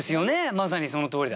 まさにそのとおりだ。